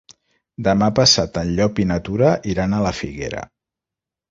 Demà passat en Llop i na Tura iran a la Figuera.